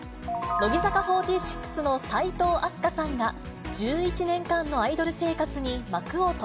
乃木坂４６の齋藤飛鳥さんが、１１年間のアイドル生活に幕を閉